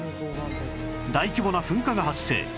大規模な噴火が発生